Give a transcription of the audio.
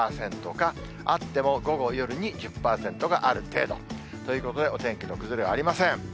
０％か、あっても午後、夜に１０％がある程度ということで、お天気の崩れはありません。